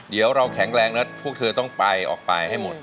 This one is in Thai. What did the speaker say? เดี๋ยวเราแข็งแรงแล้วพวกเธอต้องไปออกไปให้หมด